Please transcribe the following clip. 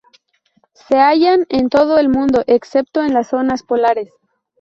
Se hallan en todo el mundo, excepto en las zonas polares.